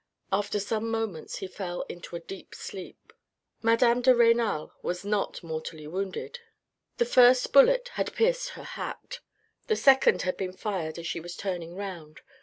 After some moments he fell into a deep sleep. Madame de Renal was not mortally wounded. The first bullet had pierced her hat. The second had been fired as she was turning round.